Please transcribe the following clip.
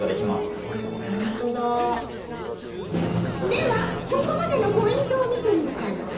ではここまでのポイントを見てみるかのう。